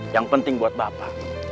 yang penting buat bapak